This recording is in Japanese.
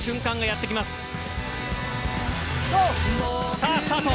・さあスタート！